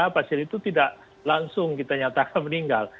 pasien itu tidak langsung kita nyatakan meninggal